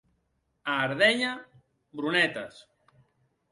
A Ardenya, morenetes.